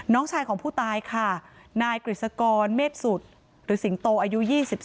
น้องชายของผู้ตายค่ะนายกฤษกรเมษสุดหรือสิงโตอายุ๒๓